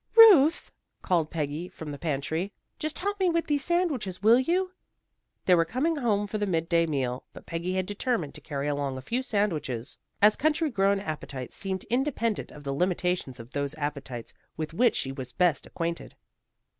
"Ruth," called Peggy from the pantry, "just help me with these sandwiches, will you?" They were coming home for the midday meal, but Peggy had determined to carry along a few sandwiches, as country grown appetites seemed independent of the limitations of those appetites with which she was best acquainted.